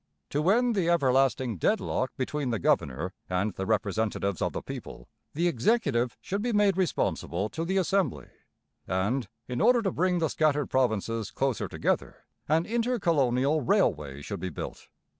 To end the everlasting deadlock between the governor and the representatives of the people, the Executive should be made responsible to the Assembly; and, in order to bring the scattered provinces closer together, an inter colonial railway should be built.